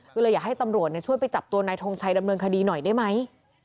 ก็เลยอยากให้ตำรวจช่วยไปจับตัวนายทงชัยดำเนินคดีหน่อยได้ไหม